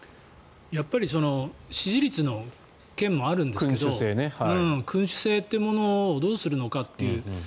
やっぱり支持率の件もあるんですけど君主制っていうものをどうするのかっていう。